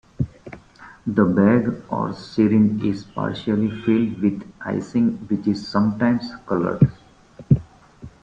The bag or syringe is partially filled with icing which is sometimes colored.